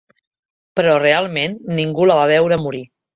Però realment ningú la va veure morir.